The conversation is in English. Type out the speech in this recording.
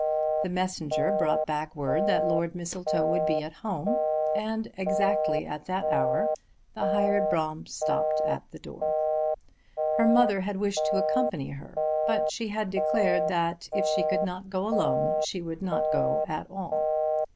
The messenger brought back word that Lord Mistletoe would be at home, and exactly at that hour the hired brougham stopped at the door. Her mother had wished to accompany her but she had declared that if she could not go alone she would not go at all.